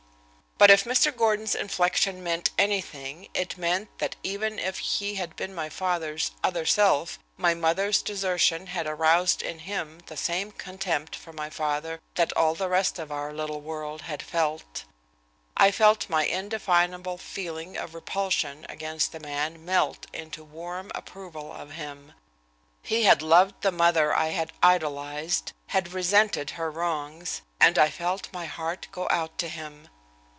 But if Mr. Gordon's inflection meant anything it meant that even if he had been my father's "other self," my mother's desertion had aroused in him the same contempt for my father that all the rest of our little world had felt. I felt my indefinable feeling of repulsion against the man melt into warm approval of him. He had loved the mother I had idolized, had resented her wrongs, and I felt my heart go out to him.